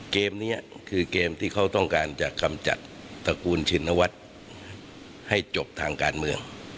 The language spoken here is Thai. เกมนี้คือเกมที่เขาต้องการจะกำจัดตระกูลชินวัฒน์ให้จบทางการเมือง